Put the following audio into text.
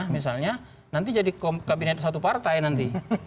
misalnya nanti jadi kabinet satu partai nanti